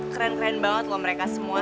keren keren banget loh mereka semua